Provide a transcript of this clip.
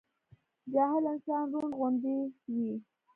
جاهل انسان رونډ غوندي وي